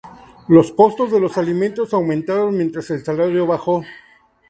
Los costos de los alimentos aumentaron mientras que el salario bajó.